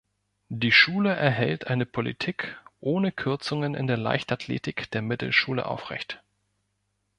Die Schule erhält eine Politik ohne Kürzungen in der Leichtathletik der Mittelschule aufrecht.